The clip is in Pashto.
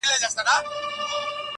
دلته ولور گټمه.